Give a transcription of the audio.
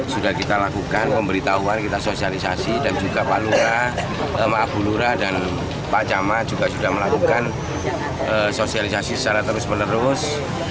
sudah kita lakukan pemberitahuan kita sosialisasi dan juga pak lura pak abulura dan pak jama juga sudah melakukan sosialisasi secara terus menerus